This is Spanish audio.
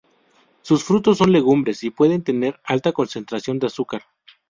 Sus frutos son legumbres y pueden tener alta concentración de azúcar.